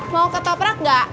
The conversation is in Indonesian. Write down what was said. mau ketoprak gak